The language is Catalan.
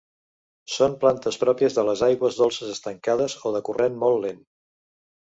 Són plantes pròpies de les aigües dolces estancades o de corrent molt lent.